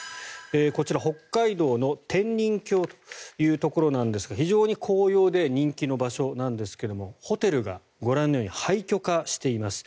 こちら、北海道の天人峡というところなんですが非常に紅葉で人気の場所なんですがホテルがご覧のように廃虚化しています。